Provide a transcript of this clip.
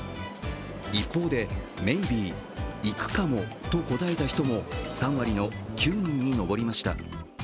一方で、ＭＡＹＢＥ＝行くかもと答えた人も３割の９人に上りました。